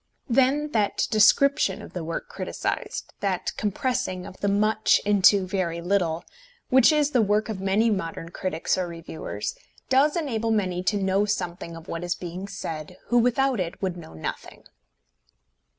Then that description of the work criticised, that compressing of the much into very little, which is the work of many modern critics or reviewers, does enable many to know something of what is being said, who without it would know nothing.